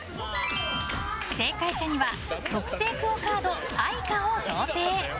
正解者には特製ＱＵＯカードＡｉｃａを贈呈。